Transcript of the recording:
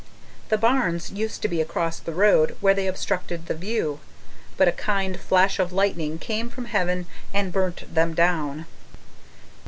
The barns used to be across the road where they obstructed the view, but a kind flash of lightning came from heaven and burnt them down.